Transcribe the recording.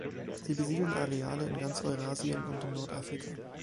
Sie besiedeln Areale in ganz Eurasien und in Nordafrika.